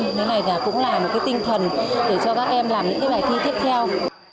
thế này cũng là một tinh thần để cho các em làm những bài thi tiếp theo